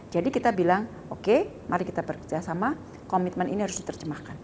jadi kita bilang oke mari kita bekerja sama komitmen ini harus diterjemahkan